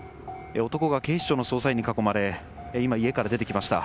男が警視庁の捜査員に囲まれ今、家から出てきました。